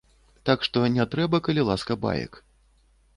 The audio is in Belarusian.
Так што не трэба, калі ласка, баек.